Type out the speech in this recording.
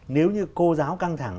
nếu như cô giáo căng thẳng